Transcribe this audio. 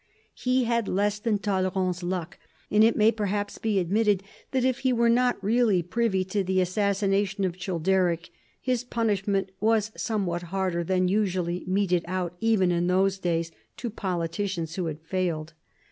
He had less than Talleyrand's luck, and it may perhaps be admitted that, if he were not really privy to the assassination of Childeric, his punishment was somewhat harder than that usually meted out even in those days to politicians who had failed.